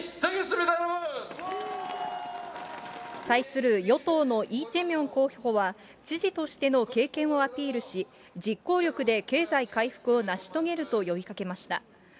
対する与党のイ・ジェミョン候補は、知事としての経験をアピールし、実行力で経済回復を成し遂げると呼びかけました。